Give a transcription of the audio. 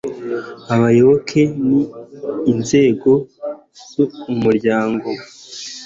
abayoboke n inzego z umuryango